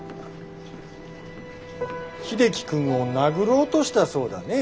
英樹君を殴ろうとしたそうだね。